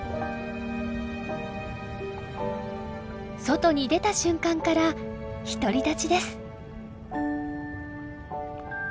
外に出た瞬間から独り立ちです。